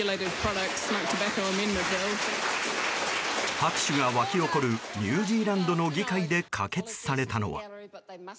拍手が沸き起こるニュージーランドの議会で可決されたのは。